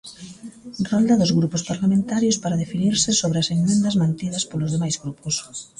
Rolda dos grupos parlamentarios para definirse sobre as emendas mantidas polos demais grupos.